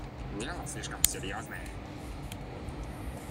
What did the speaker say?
Дело слишком серьезное.